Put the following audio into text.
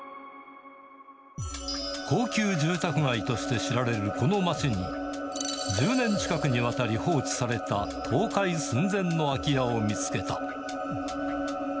高級住宅街として知られるこの街に、１０年近くにわたり放置された倒壊寸前の空き家を見つけた。